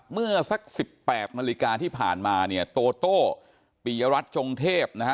เมื่อสักสิบแปดนาฬิกาที่ผ่านมาเนี่ยโตโต้ปียรัฐจงเทพนะฮะ